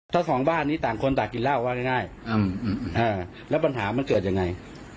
ถ้าสองบ้านนี้ต่างคนต่างกินเหล้าว่าง่ายแล้วปัญหามันเกิดยังไง